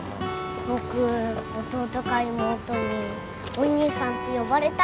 僕弟か妹にお兄さんって呼ばれたいな。